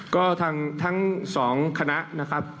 ก็ทั้ง๒คณะนะครับ